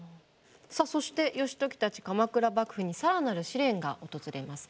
さあそして義時たち鎌倉幕府に更なる試練が訪れます。